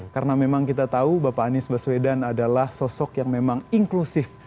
karena memang kita tahu bapak anies baswedan adalah sosok yang memang inklusif